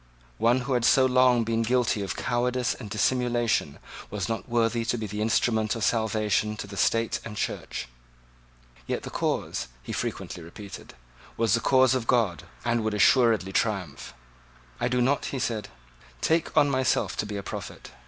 One who had so long been guilty of cowardice and dissimulation was not worthy to be the instrument of salvation to the State and Church. Yet the cause, he frequently repeated, was the cause of God, and would assuredly triumph. "I do not," he said, "take on myself to be a prophet.